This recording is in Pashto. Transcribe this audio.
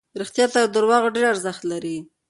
رښتیا تر درواغو ډېر ارزښت لري.